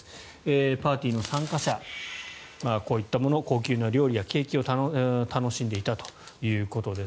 パーティーの参加者こういったもの、高級な料理やケーキを楽しんでいたということです。